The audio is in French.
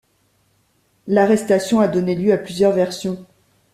L'arrestation a donné lieu à plusieurs versions.